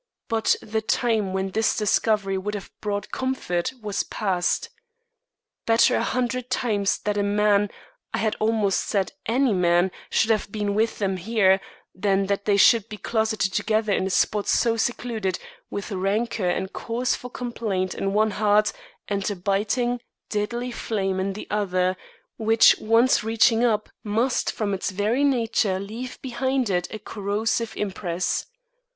But the time when this discovery would have brought comfort was passed. Better a hundred times that a man I had almost said any man should have been with them here, than that they should be closeted together in a spot so secluded, with rancour and cause for complaint in one heart, and a biting, deadly flame in the other, which once reaching up must from its very nature leave behind it a corrosive impress.